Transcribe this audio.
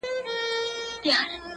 o درته به وايي ستا د ښاريې سندري،